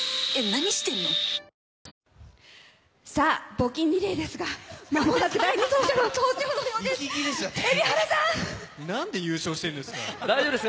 募金リレーですが、まもなく第２走者の登場のようです。